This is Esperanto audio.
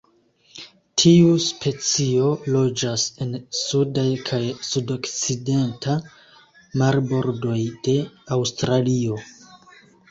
Tiu specio loĝas en sudaj kaj sudokcidenta marbordoj de Aŭstralio.